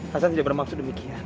hasan tidak bermaksud demikian